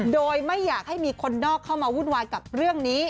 โดยไม่อยากให้มีคนนอกเข้ามาวุ่นวายกับเรื่องนี้